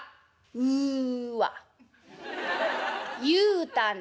「うわ言うたな。